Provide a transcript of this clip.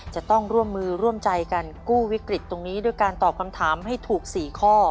จะต้องร่วมมือร่วมใจกันกู้วิกฤตตรงนี้ด้วยการตอบคำถามให้ถูก๔ข้อ